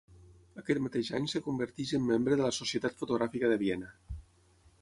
Aquest mateix any es converteix en membre de la Societat Fotogràfica de Viena.